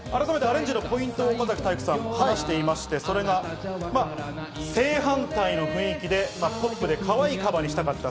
改めてアレンジのポイントを岡崎さん、話していまして、それが正反対の雰囲気で、ポップでかわいいカバーにしたかった。